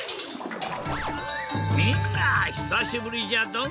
みんなひさしぶりじゃドン！